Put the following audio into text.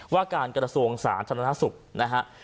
ว่าการกระสวงส่าธนทสุพธ์นะครับ